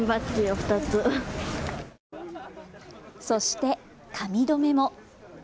そして髪留めも。